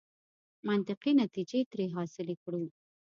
منطقي نتیجې ترې حاصلې کړو.